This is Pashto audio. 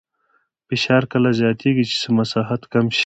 فشار کله زیاتېږي چې مساحت کم شي.